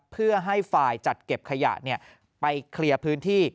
เพื่อให้ฝ่ายจัดเก็บขยะไปเคลียร์พื้นที่